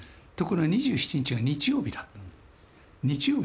ところが２７日が日曜日だ。